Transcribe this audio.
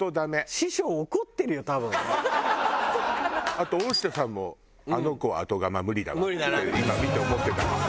あと大下さんも「あの子は後釜無理だわ」って今見て思ってた。